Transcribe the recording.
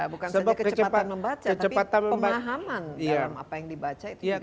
bukan saja kecepatan membaca tapi pemahaman dalam apa yang dibaca itu juga